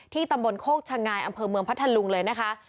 ตำบลโคกชะงายอำเภอเมืองพัทธลุงเลยนะคะ